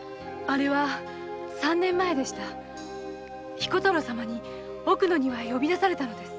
彦太郎様に奥の庭に呼び出されたのです。